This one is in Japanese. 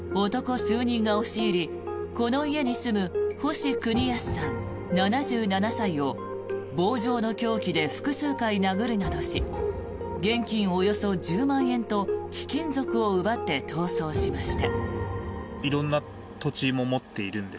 男数人が押し入りこの家に住む星邦康さん、７７歳を棒状の凶器で複数回殴るなどし現金およそ１０万円と貴金属を奪って逃走しました。